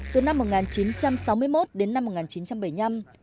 từ năm một nghìn chín trăm sáu mươi một đến năm một nghìn chín trăm bảy mươi năm